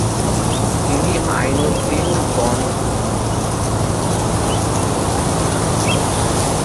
তিনি আইন-উদ্দিন গঞ্জ-উল-উল্লামের একটি মাজার নির্মাণ করেছিলেন।